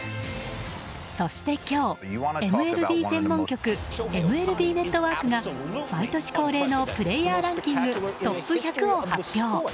そして今日、ＭＬＢ専門局ＭＬＢネットワークが毎年恒例のプレイヤーランキングトップ１００を発表。